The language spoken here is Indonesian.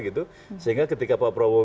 gitu sehingga ketika pak prabowo